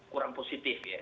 kurang positif ya